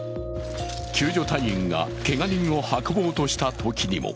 救助隊員がけが人を運ぼうとしたときにも